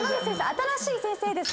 新しい先生です。